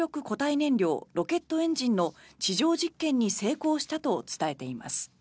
燃料ロケットエンジンの地上実験に成功したと伝えています。